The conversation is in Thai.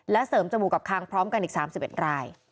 เสริมจมูกกับคางพร้อมกันอีก๓๑ราย